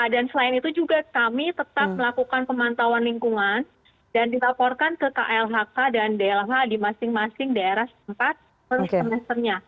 dan selain itu juga kami tetap melakukan pemantauan lingkungan dan ditaporkan ke klhk dan dlh di masing masing daerah tempat per semesternya